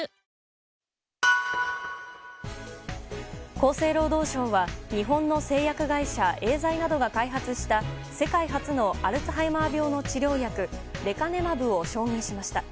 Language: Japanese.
厚生労働省は日本の製薬会社エーザイなどが開発した世界初のアルツハイマー病の治療薬レカネマブを承認しました。